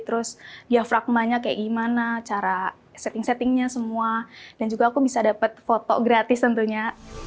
terus ya fragmanya kayak gimana cara setting settingnya semua dan juga aku bisa dapat foto gratis tentunya